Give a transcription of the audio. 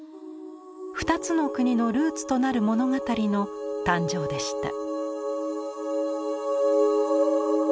２つの国のルーツとなる物語の誕生でした。